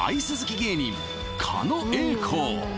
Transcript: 芸人狩野英孝